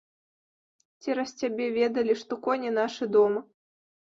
Цераз цябе ведалі, што коні нашы дома.